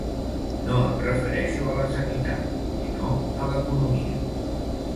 No em refereixo a la sanitat, sinó a l’economia.